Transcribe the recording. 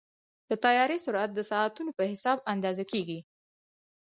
د طیارې سرعت د ساعتونو په حساب اندازه کېږي.